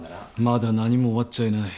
まだ何も終わっちゃいない。